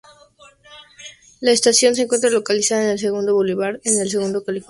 La estación se encuentra localizada en El Segundo Boulevard en El Segundo, California.